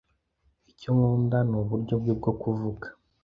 Icyo nkunda nuburyo bwe bwo kuvuga.